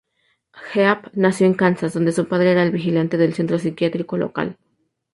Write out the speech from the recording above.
Heap nació en Kansas, donde su padre era el vigilante del centro psiquiátrico local.